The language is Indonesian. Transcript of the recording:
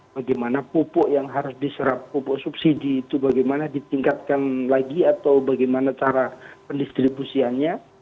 bagaimana pupuk yang harus diserap pupuk subsidi itu bagaimana ditingkatkan lagi atau bagaimana cara pendistribusiannya